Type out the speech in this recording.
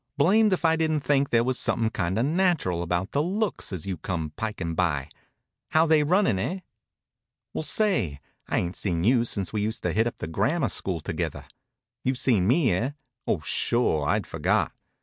Blamed if I didn't think there was somethin' kind of natural about the looks, as you come pikin' by. How're they runnin', eh? Well say, I ain't seen you since we used to hit up the grammar school together. You've seen me, eh? Oh, sure! I'd forgot.